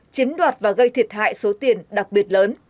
chiếm đoạt và gây thiệt hại số tiền đặc biệt lớn